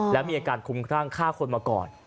และมีอาการคุมทางฆ่าคนมาก่อน